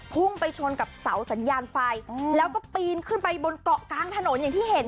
พุ่งไปชนกับเสาสัญญาณไฟแล้วก็ปีนขึ้นไปบนเกาะกลางถนนอย่างที่เห็น